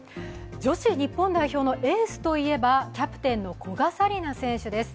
女子日本代表のエースと言えばキャプテンの古賀紗理那選手です。